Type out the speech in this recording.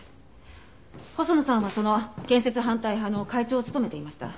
細野さんはその建設反対派の会長を務めていました。